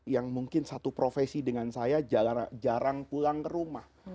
yang mungkin satu profesi dengan saya jarang pulang ke rumah